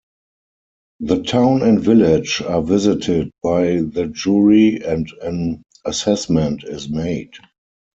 The Town and Village are visited by the Jury and an assessment is made.